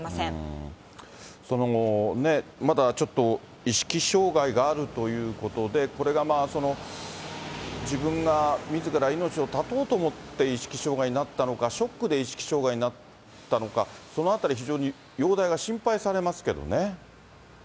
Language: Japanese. その後ね、まだちょっと意識障害があるということで、これが自分が、みずから命を絶とうと思って意識障害になったのか、ショックで意識障害になったのか、そのあたり、非常に容体が心配されますけどね。